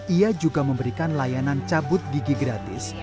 ia juga memberikan layanan cabut gigi gratis